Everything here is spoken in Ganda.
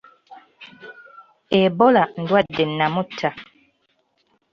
Ebola ndwadde nnamutta.